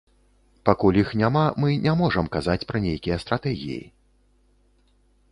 Пакуль іх няма, мы не можам казаць пра нейкія стратэгіі.